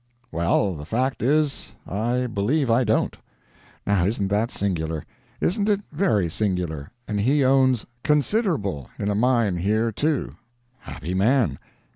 Well—the fact is—I believe I don't. Now isn't that singular? Isn't it very singular? And he owns "considerable" in a mine here, too. Happy man.